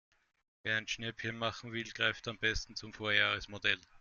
Wer ein Schnäppchen machen will, greift am besten zum Vorjahresmodell.